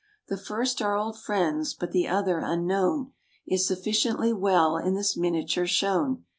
The first are old friends; but the other, unknown, Is sufficiently well in this miniature shown.